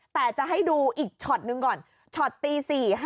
แต่จะให้ดูอีกช็อตหนึ่งก่อนช็อตตี๔๕